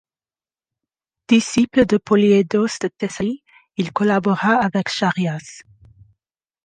Disciple de Polyeidos de Thessalie, il collabora avec Charias.